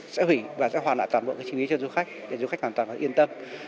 sẽ hủy và sẽ hoàn lại toàn bộ cái chi phí cho du khách để du khách hoàn toàn yên tâm